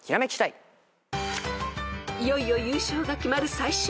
［いよいよ優勝が決まる最終問題］